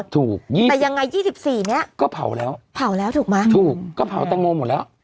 แต่ยังไง๒๔นี้ก็เผาแล้วเผาแล้วถูกไหมถูกก็เผาแตงโมหมดแล้ว